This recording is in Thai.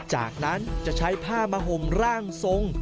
จากนั้นจะใช้ผ้ามาห่มร่างทรง